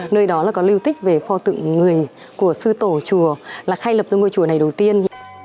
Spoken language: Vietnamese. nơi đó là có lưu tích về pho tượng người của sư tổ chùa là khai lập cho ngôi chùa này đầu tiên